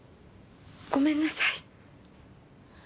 ごめんなさい。